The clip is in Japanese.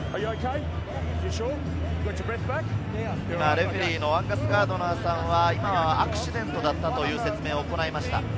レフェリーのアンガス・ガードナーさんは、アクシデントだったという説明を行いました。